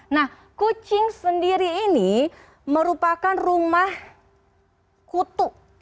nah kucing sendiri ini merupakan rumah kutu